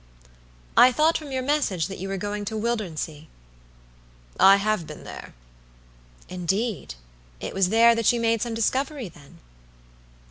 "I thought from your message that you were going to Wildernsea." "I have been there." "Indeed! It was there that you made some discovery, then?"